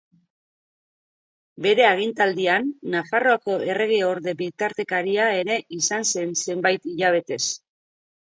Bere agintaldian, Nafarroako erregeorde bitartekaria ere izan zen zenbait hilabetez.